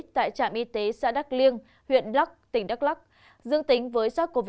tại trạm y tế xã đắk liêng huyện đắk tỉnh đắk lắc dương tính với sars cov hai